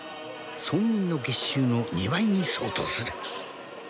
村民の月収の２倍に相当する。